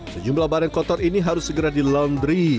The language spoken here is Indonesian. sejumlah barang kotor ini harus segera di laundry